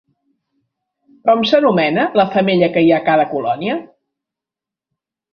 Com s'anomena la femella que hi ha a cada colònia?